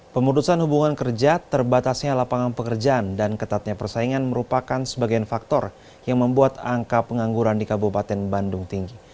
pemutusan hubungan kerja terbatasnya lapangan pekerjaan dan ketatnya persaingan merupakan sebagian faktor yang membuat angka pengangguran di kabupaten bandung tinggi